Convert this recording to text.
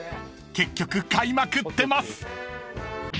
［結局買いまくってます］